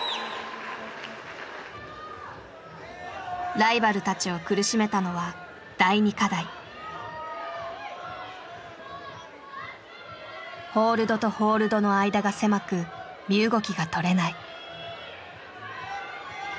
ライバルたちを苦しめたのはホールドとホールドの間が狭く身動きがとれない。